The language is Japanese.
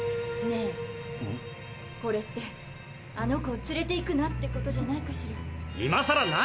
ねえこれってあの子を連れていくなってことじゃないかしら。